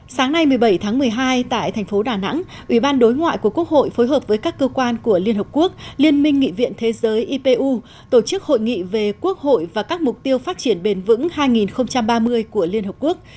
sáng nay một mươi bảy tháng một mươi hai tại thành phố đà nẵng ủy ban đối ngoại của quốc hội phối hợp với các cơ quan của liên hợp quốc liên minh nghị viện thế giới ipu tổ chức hội nghị về quốc hội và các mục tiêu phát triển bền vững hai nghìn ba mươi của liên hợp quốc